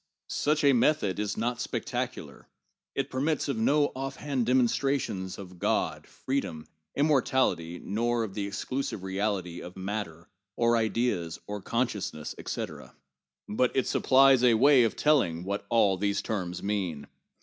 Such a method is not spectacular ; it permits of no offhand dem onstrations of God, freedom, immortality, nor of the exclusive reality of matter, or ideas, or consciousness, etc. But it supplies a way of telling what all these terms mean.